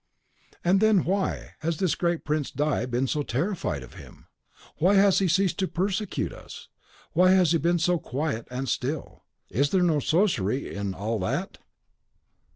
"And then, why has this great Prince di been so terrified by him? Why has he ceased to persecute us? Why has he been so quiet and still? Is there no sorcery in all that?"